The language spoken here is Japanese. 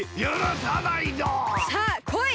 さあこい！